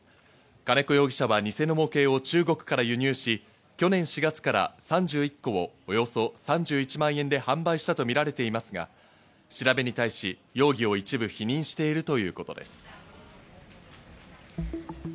金子容疑者はニセの模型を中国から輸入し、去年４月から３１個をおよそ３１万円で販売したとみられていますが、調べに対し容疑を一部否認しているということです。